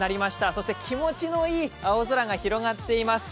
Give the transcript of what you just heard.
そして気持ちのいい青空が広がっています。